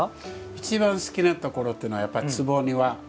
一番好きなところっていうのはやっぱり坪庭。